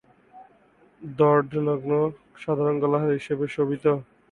ধড় নগ্ন, সাধারণ গলার হার হিসেবে শোভিত।